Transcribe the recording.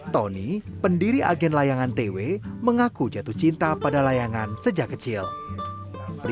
tony pendiri agen layangan tw mencari pengetahuan tentang kemampuan layangan yang terbaik di jawa tenggara